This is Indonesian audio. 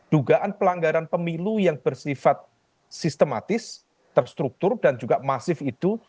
dugaan pelanggaran pemilu yang bersifat sistematis terstruktur dan juga masif itu